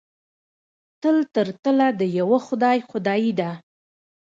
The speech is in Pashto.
تل تر تله د یوه خدای خدایي ده.